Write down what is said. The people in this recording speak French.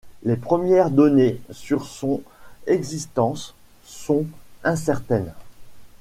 Les premières données sur son existence sont incertaines.